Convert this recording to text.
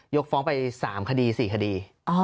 กฟ้องไป๓คดี๔คดี